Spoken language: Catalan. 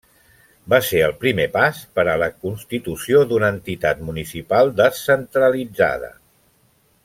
Va ser el primer pas per a la constitució d'una entitat municipal descentralitzada.